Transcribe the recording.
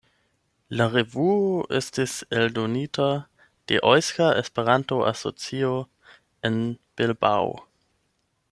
La revuo estis eldonita de Eŭska Esperanto-Asocio en Bilbao.